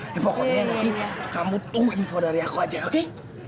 ya pokoknya mungkin kamu tunggu info dari aku aja oke